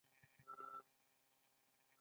د علامه رشاد لیکنی هنر مهم دی ځکه چې تلپاتې دی.